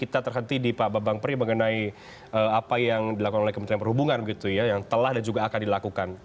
kita terhenti di pak babang pri mengenai apa yang dilakukan oleh kementerian perhubungan begitu ya yang telah dan juga akan dilakukan